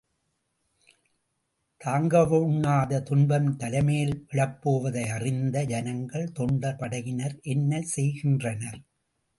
தாங்கவொண்ணாத துன்பம் தலைமேல் விழப்போவதை அறிந்த ஜனங்கள் தொண்டர் படையினர் என்ன செய்கின்றனர்?